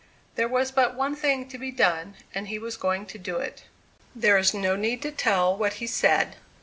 There was but one thing to be done, and he was going to do it. There is no need to tell what he said.